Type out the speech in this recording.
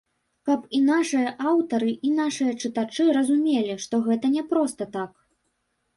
Каб і нашыя аўтары, і нашыя чытачы разумелі, што гэта не проста так.